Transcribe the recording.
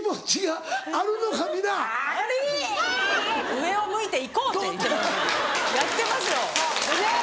上を向いていこう！ってやってますよねっ！